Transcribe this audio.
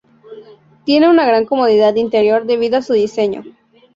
Tiene una gran comodidad interior debido a su diseño.